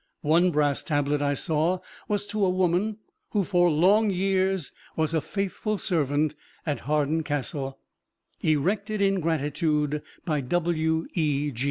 One brass tablet I saw was to a woman "who for long years was a faithful servant at Hawarden Castle erected in gratitude by W.E.